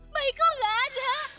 baik kau nggak ada